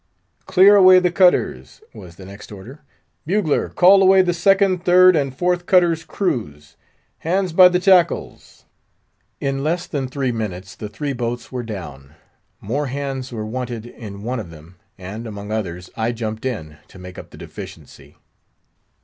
"Clear away the cutters!" was the next order. "Bugler! call away the second, third, and fourth cutters' crews. Hands by the tackles!" In less than three minutes the three boats were down; More hands were wanted in one of them, and, among others, I jumped in to make up the deficiency.